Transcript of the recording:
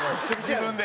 自分で？